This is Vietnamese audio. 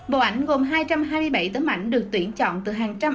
bộ ảnh gồm hai trăm hai mươi bảy tấm ảnh được tuyển chọn từ hàng trăm